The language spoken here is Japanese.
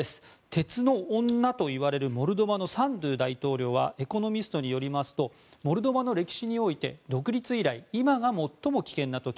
鉄の女といわれるモルドバのサンドゥ大統領はエコノミストによりますとモルドバの歴史において独立以来、今が最も危険な時。